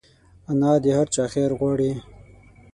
انا د هر چا خیر غواړي